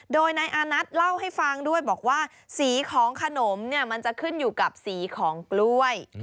โดยนายอานัทเล่าให้ฟังด้วยบอกว่าสีของขนมเนี่ยมันจะขึ้นอยู่กับสีของกล้วย